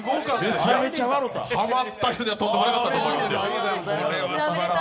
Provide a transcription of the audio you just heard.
ハマッた人にはとんでもなかったと思いますよ